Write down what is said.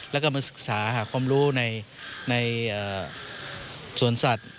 และกำลังศึกษาความรู้ในสวนสัตว์